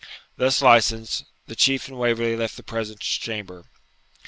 Thus licensed, the Chief and Waverley left the presence chamber.